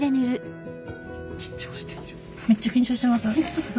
めっちゃ緊張してます。